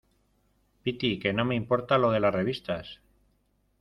piti, que no me importa lo de las revistas.